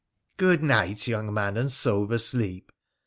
' Good night, young man, and sober sleep